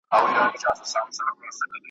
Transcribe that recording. د غوايي په څېر به ټوله ورځ کړېږي `